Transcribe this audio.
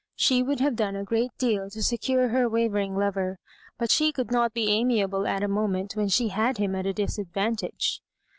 She would have done a great deal to secure her wavering lover, but she could not be amiable at a moment when she had him at a disadvantage.